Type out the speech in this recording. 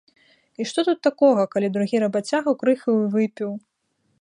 І што тут такога, калі другі рабацяга крыху і выпіў?